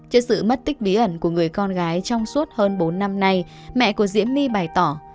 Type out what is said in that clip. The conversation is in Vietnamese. trước sự mất tích bí ẩn của người con gái trong suốt hơn bốn năm nay mẹ của diễm my bày tỏ